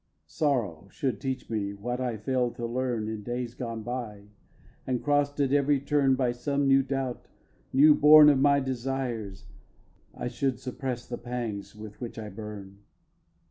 Sorrow should teach me what I fail'd to learn In days gone by; and cross'd at every turn By some new doubt, new born of my desires, I should suppress the pangs with which I burn.